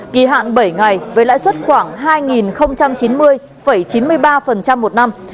kỳ hạn bảy ngày với lãi suất khoảng hai chín mươi chín mươi ba một năm